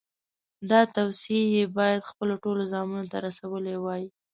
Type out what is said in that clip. دا توصیې یې باید خپلو ټولو زامنو ته رسولې وای.